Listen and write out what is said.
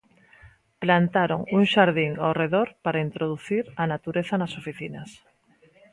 Plantaron un xardín ao redor para introducir a natureza nas oficinas.